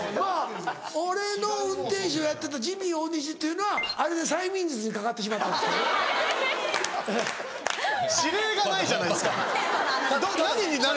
俺の運転手をやってたジミー大西っていうのはあれで催眠術にかかってしまったんですけどね。